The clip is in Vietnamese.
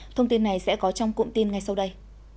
thông tin này sẽ có trong cụm tin ngay sau đây